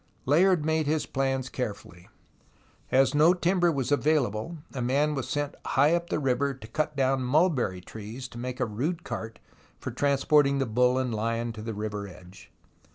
Layard made his plans carefully. As no timber was available, a man was sent high up the river to cut down mulberry trees to make a rude cart for transporting the buU and lion to the river edge.